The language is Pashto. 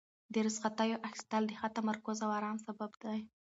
د رخصتیو اخیستل د ښه تمرکز او ارام سبب دی.